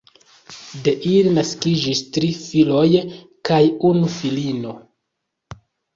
De ili naskiĝis tri filoj kaj unu filino.